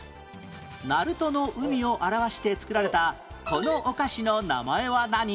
鳴門の海を表して作られたこのお菓子の名前は何？